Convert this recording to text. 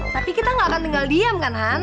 tapi kita gak akan tinggal diam kan han